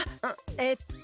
えっと。